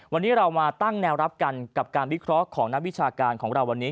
วันนี้เรามาตั้งแนวรับกันกับการวิเคราะห์ของนักวิชาการของเราวันนี้